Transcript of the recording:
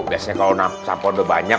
biasanya kalau sapo udah banyak